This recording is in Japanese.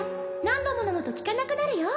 何度も飲むと効かなくなるよ